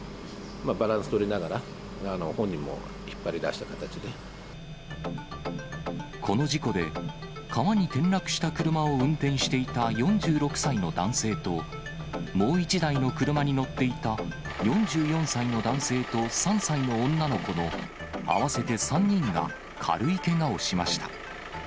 バランス取りながら、この事故で、川に転落した車を運転していた４６歳の男性と、もう１台の車に乗っていた４４歳の男性と３歳の女の子の合わせて３人が軽いけがをしました。